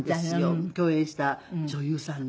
共演した女優さんの。